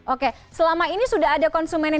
oke selama ini sudah ada konsumen yang